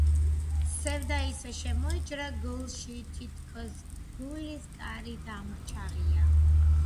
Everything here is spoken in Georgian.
სევდა ისე შემოიჭრა გულში, თითქოს გულის კარი დამრჩა ღია